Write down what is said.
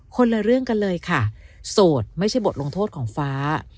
คนละเรื่องกันเลยค่ะโสดไม่ใช่บทลงโทษของฟ้า